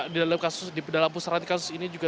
di dalam kasus di dalam pusaran kasus ini juga